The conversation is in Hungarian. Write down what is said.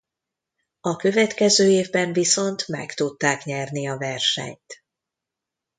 A következő évben viszont meg tudták nyerni a versenyt.